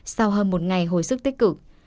sau hơn một ngày hồi sức tích cực